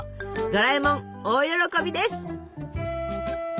ドラえもん大喜びです。